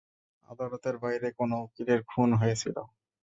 আদালতের বাইরে কোনো উকিলের খুন হয়েছিলো।